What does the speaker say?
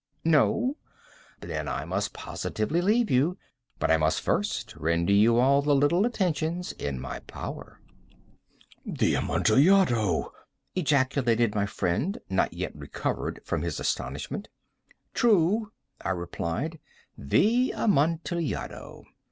No? Then I must positively leave you. But I must first render you all the little attentions in my power." "The Amontillado!" ejaculated my friend, not yet recovered from his astonishment. "True," I replied; "the Amontillado."